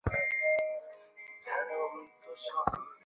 তিনি এলাহাবাদ বিশ্ববিদ্যালয় থেকে ইংরেজি সাহিত্যের উপরে ডিগ্রি অর্জন করেন।